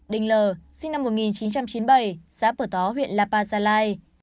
đình l sinh năm một nghìn chín trăm chín mươi bảy xã bờ tó huyện lapa gia lai